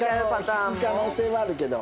引く可能性もあるけど。